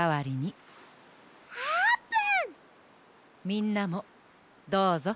みんなもどうぞ。